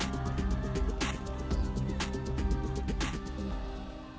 tim liputan cnn indonesia